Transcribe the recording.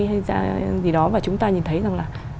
hay gì đó và chúng ta nhìn thấy rằng là